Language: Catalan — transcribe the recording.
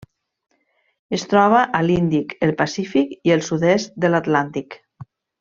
Es troba a l'Índic, el Pacífic i el sud-est de l'Atlàntic.